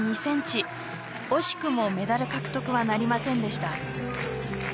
惜しくもメダル獲得はなりませんでした。